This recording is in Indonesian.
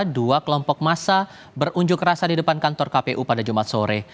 dua kelompok massa berunjuk rasa di depan kantor kpu pada jumat sore